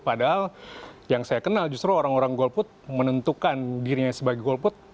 padahal yang saya kenal justru orang orang golput menentukan dirinya sebagai golput